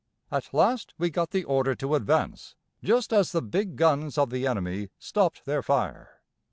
At last we got the order to advance just as the big guns of the enemy stopped their fire.